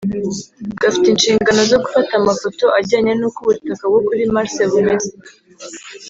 gafite inshingano zo gufata amafoto ajyanye n’uko ubutaka bwo kuri Mars bumeze